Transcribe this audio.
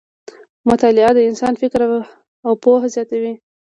مطالعه د انسان فکر او پوهه زیاتوي.